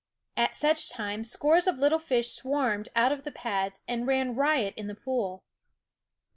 At such times scores of little fish swarmed out of the pads and ran riot in the pool.